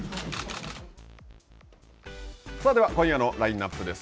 では今夜のラインナップです。